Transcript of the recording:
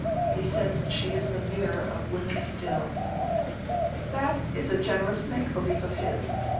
He says she is the mirror of women still." "That is a generous make believe of his.